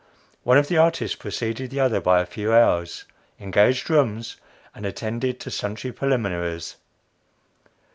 One of the artists preceded the other by a few hours, engaged rooms, and attended to sundry preliminaries.